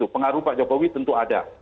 pengaruh pak jokowi tentu ada